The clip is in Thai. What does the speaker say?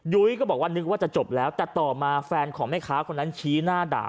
ยุ้ยก็บอกว่านึกว่าจะจบแล้วแต่ต่อมาแฟนของแม่ค้าคนนั้นชี้หน้าด่า